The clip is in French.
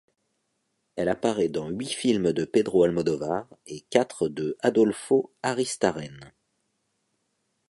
Elle apparaît dans huit films de Pedro Almodóvar et quatre de Adolfo Aristarain.